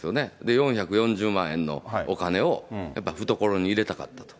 ４４０万円のお金をやっぱ懐に入れたかったと。